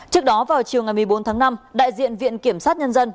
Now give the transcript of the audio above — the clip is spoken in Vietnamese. trước đó vào chiều ngày một mươi bốn tháng năm đại diện viện kiểm sát nhân dân